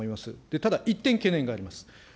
ただ、１点懸念があります。